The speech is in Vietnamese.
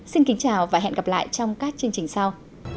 xin kính chào và hẹn gặp lại trong các chương trình sau